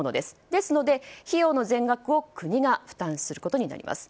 ですので費用の全額を国が負担することになります。